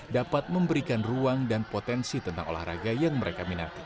dapat memberikan ruang dan potensi tentang olahraga yang mereka minati